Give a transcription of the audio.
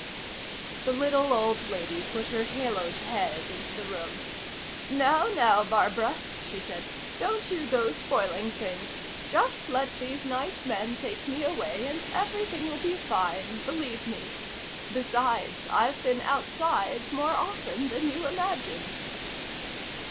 The little old lady put her haloed head into the room. "Now, now, Barbara," she said. "Don't you go spoiling things. Just let these nice men take me away and everything will be fine, believe me. Besides, I've been outside more often then you imagine."